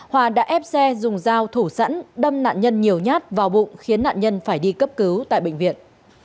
hòa đã ép xe dùng dao thủ sẵn đâm nạn nhân nhiều nhát vào bụng khiến nạn nhân phải đi cấp cứu tại bệnh viện